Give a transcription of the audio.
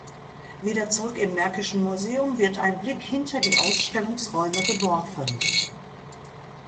Wieder zurück im Märkischen Museum wird ein Blick hinter die Ausstellungsräume geworfen.